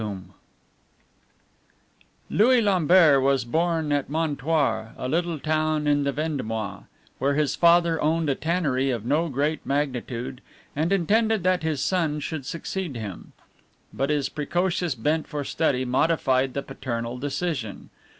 LOUIS LAMBERT Louis Lambert was born at Montoire, a little town in the Vendomois, where his father owned a tannery of no great magnitude, and intended that his son should succeed him; but his precocious bent for study modified the paternal decision.